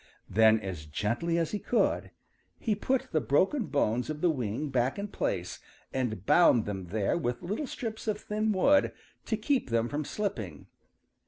Then, as gently as he could, he put the broken bones of the wing back in place and bound them there with little strips of thin wood to keep them from slipping.